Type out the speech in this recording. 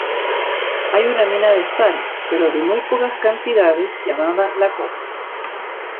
Hay una mina de sal pero de muy pocas cantidades, llamada "La Copa".